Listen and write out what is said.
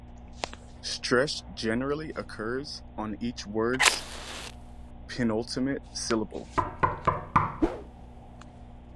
Stress generally occurs on each word's penultimate syllable.